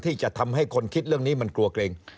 ที่จะทำให้คนคิดเรื่องนี้มันกลัวเกร็ง